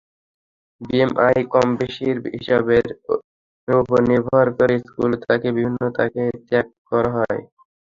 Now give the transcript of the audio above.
BMI কমবেশির হিসাবের ওপর নির্ভর করে স্থূলতাকেও বিভিন্ন ভাগে ভাগ করা হয়।